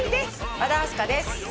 和田明日香です。